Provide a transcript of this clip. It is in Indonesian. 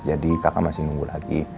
jadi kakak masih nunggu lagi